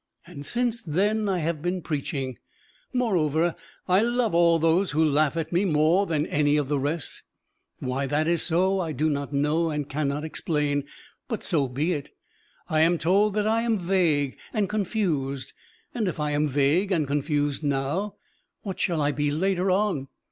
And since then I have been preaching! Moreover I love all those who laugh at me more than any of the rest. Why that is so I do not know and cannot explain, but so be it. I am told that I am vague and confused, and if I am vague and confused now, what shall I be later on?